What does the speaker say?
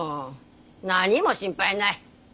何も心配ない。